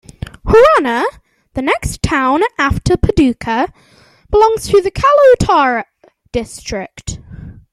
Horana, the next town after Padukka, belongs to Kalutara District.